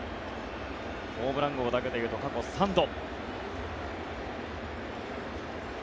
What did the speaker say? ホームラン王だけで言うと過去３度。